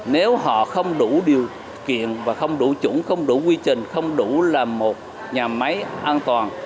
nếu họ không đủ điều kiện và không đủ chuẩn không đủ quy trình không đủ là một nhà máy an toàn